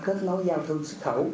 sẽ hỗ trợ doanh nghiệp